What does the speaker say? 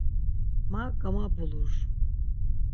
“Ma gamabulur!”